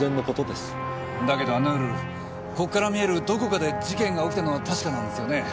だけどあの夜こっから見えるどこかで事件が起きたのは確かなんですよね。